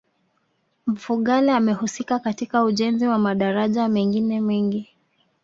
Mfugale amehusika katika ujenzi wa madaraja mengine mengi